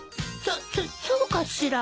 そっそうかしら？